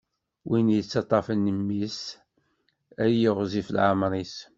Win yettaṭṭafen imi-s, ad yiɣzif leɛmeṛ-is.